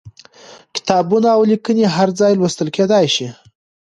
کتابونه او ليکنې هر ځای لوستل کېدای شي.